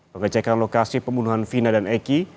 pengecekan lokasi pembunuhan vina dan eki